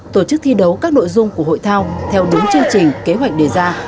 tổ chức thi đấu các nội dung của hội thao theo đúng chương trình kế hoạch đề ra